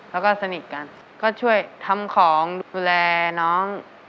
แล้วก็สนิทกันก็ช่วยทำของดูแลน้อง